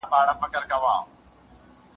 اوښ مې چو کړ په ډولۍ پسې روان یم